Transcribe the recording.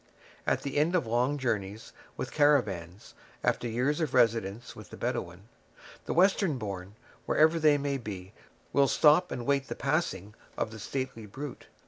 At the end of long journeys with caravans, after years of residence with the Bedawin, the Western born, wherever they may be, will stop and wait the passing of the stately brute.